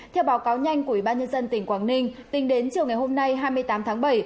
theo báo cáo nhanh của ủy ban nhân dân tỉnh quảng ninh tính đến chiều ngày hôm nay hai mươi tám tháng bảy